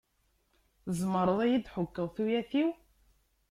Tzemreḍ ad yi-d-tḥukkeḍ tuyat-iw?